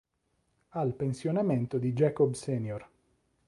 Al pensionamento di Jacob Sr.